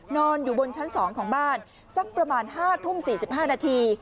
นอนอยู่บนชั้น๒ของบ้านสักประมาณ๕ทุ่ม๔๕นาที